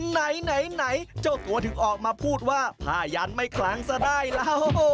ไหนไหนเจ้าตัวถึงออกมาพูดว่าผ้ายันไม่คลังซะได้แล้ว